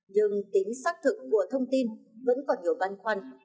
nhưng tính xác thực của thông tin vẫn còn nhiều băn khoăn